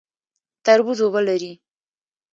تربوز اوبه لري